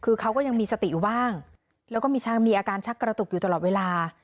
คือเขาก็ยังมีสติอยู่บ้างแล้วก็มีช้างมีอาการชักกระตุกอยู่ตลอดเวลา